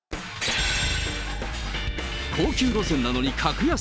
高級路線なのに格安？